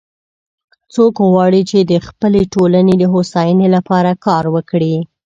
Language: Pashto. څوک غواړي چې د خپلې ټولنې د هوساینی لپاره کار وکړي